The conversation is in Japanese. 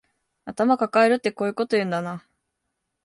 頭かかえるってこういうこと言うんだな